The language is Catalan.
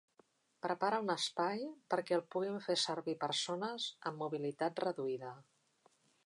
Prepara un espai perquè el puguin fer servir persones amb mobilitat reduïda.